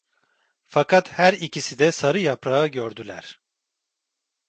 Fakat her ikisi de sarı yaprağı gördüler.